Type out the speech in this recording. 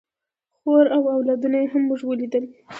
خور او اولادونه یې هم موږ ولیدل.